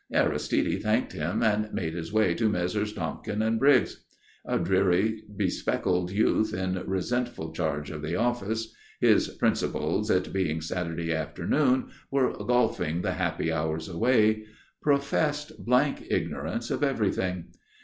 Aristide thanked him and made his way to Messrs. Tompkin & Briggs. A dreary spectacled youth in resentful charge of the office his principals, it being Saturday afternoon, were golfing the happy hours away professed blank ignorance of everything.